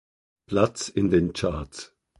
Platz in den Charts.